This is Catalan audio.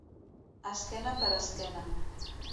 Esquena per esquena.